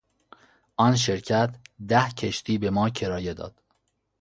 آن شرکت ده کشتی بما کرایه داد.